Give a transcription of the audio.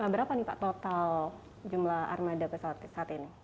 berapa nih pak total jumlah armada perusahaan